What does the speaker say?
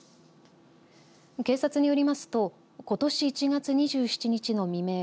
警察によりますとことし１月２７日の未明